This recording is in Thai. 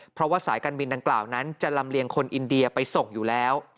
เพราะว่าสายการบินดังกล่าวนั้นจะลำเลียงคนอินเดียไปส่งอยู่แล้ว